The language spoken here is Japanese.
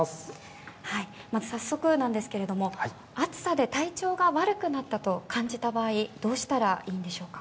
まず、早速なんですが暑さで体調が悪くなったと感じた場合どうしたらいいんでしょうか。